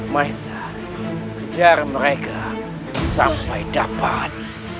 maisa kejar mereka sampai dapat